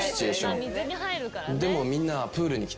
でもみんなは。